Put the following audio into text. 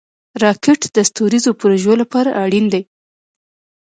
راکټ د ستوریزو پروژو لپاره اړین دی